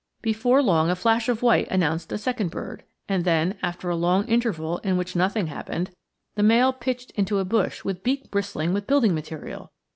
Before long a flash of white announced a second bird, and then, after a long interval in which nothing happened, the male pitched into a bush with beak bristling with building material!